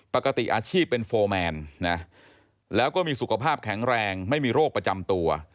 ปกติอาชีพเป็นโฟร์แมนนะแล้วก็มีสุขภาพแข็งแรงไม่มีโรคประจำตัว